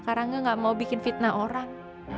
karena gak mau bikin fitnah orang